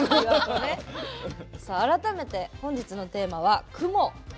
改めて本日のテーマは「雲」。